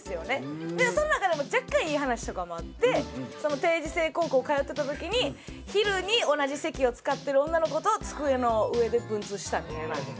その中でも若干いい話とかもあって定時制高校通ってた時に昼に同じ席を使ってる女の子と机の上で文通したみたいな。